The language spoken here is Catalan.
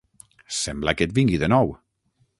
Sembla que et vingui de nou.